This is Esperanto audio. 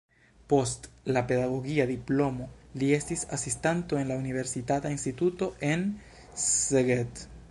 Post la pedagogia diplomo li estis asistanto en la universitata instituto en Szeged.